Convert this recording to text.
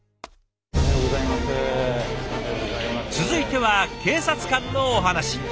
続いては警察官のお話。